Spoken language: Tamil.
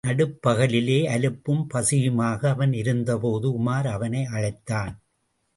நடுப்பகலிலே, அலுப்பும் பசியுமாக அவன் இருந்தபோது உமார் அவனை அழைத்தான்.